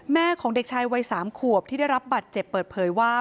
แม่ของเด็กชายวัย๓ขวบที่ได้รับบัตรเจ็บเปิดเผยว่า